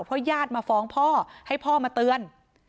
เพราะญาติมาฟ้องพ่อให้พ่อมาเตือน